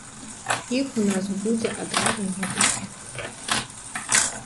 Іх у нас будзе адразу некалькі.